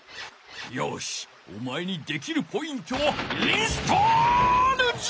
よしおまえにできるポイントをインストールじゃ！